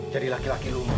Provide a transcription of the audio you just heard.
jadi laki laki lumur